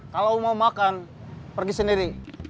kalau mau makan pergi sendiri